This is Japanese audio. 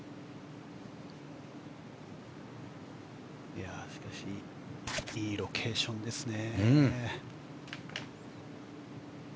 いやあ、しかしいいロケーションですね。